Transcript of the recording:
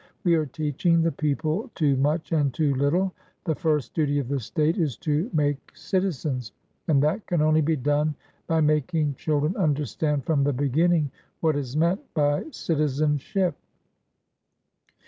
We are teaching the people too much and too little. The first duty of the State is to make citizens, and that can only be done by making children understand from the beginning what is meant by citizenship.